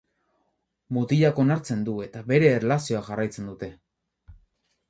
Mutilak onartzen du eta bere erlazioa jarraitzen dute.